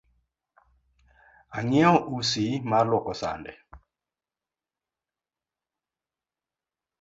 Ang’iewo usi mar luoko sande